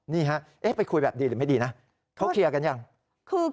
นี่ฮะไปคุยแบบดีหรือไม่ดีนะเขาเคลียร์กันยัง